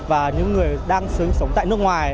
và những người đang sống tại nước ngoài